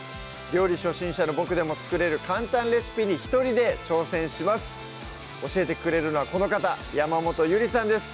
料理初心者のボクでも作れる簡単レシピに一人で挑戦します教えてくれるのはこの方山本ゆりさんです